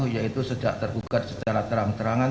yaitu sejak tergugat secara teram terangan